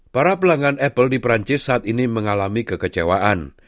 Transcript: para pelanggan apple di perancis saat ini mengalami kekecewaan